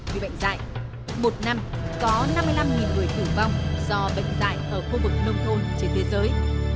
vì bệnh dạy một năm có năm mươi năm người tử vong do bệnh dạy ở khu vực nông thôn trên thế giới